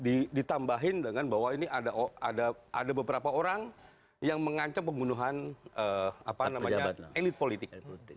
jadi ditambahin dengan bahwa ini ada beberapa orang yang mengancam pembunuhan elit politik